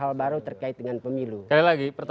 saya harus lantaran kesukaan untukselani unutella